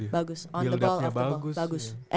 bagus banget dia